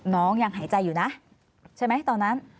น้องยังหายใจอยู่นะใช่ไหมตอนนั้น